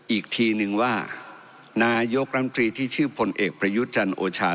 อีกทีนึงว่านายกรัฐมนตรีที่ชื่อพลเอกประยุทธ์จันทร์โอชา